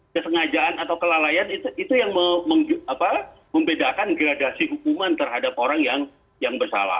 kesengajaan atau kelalaian itu yang membedakan gradasi hukuman terhadap orang yang bersalah